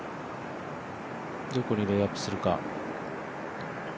どこにレイアップするか。